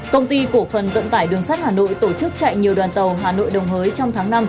công ty cổ phần vận tải đường sắt hà nội tổ chức chạy nhiều đoàn tàu hà nội đồng hới trong tháng năm